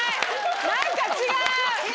何か違う！